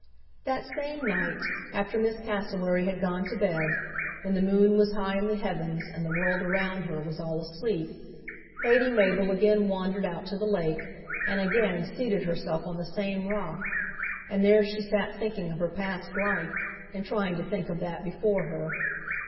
That same night, after Miss Cassewary had gone to bed, when the moon was high in the heavens and the world around her was all asleep, Lady Mabel again wandered out to the lake, and again seated herself on the same rock, and there she sat thinking of her past life and trying to think of that before her.